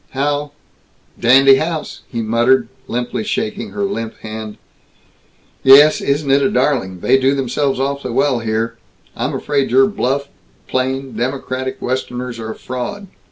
"How Dandy house," he muttered, limply shaking her limp hand. "Yes, isn't it a darling. They do themselves awfully well here. I'm afraid your bluff, plain, democratic Westerners are a fraud.